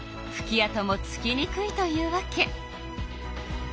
あともつきにくいというわけ。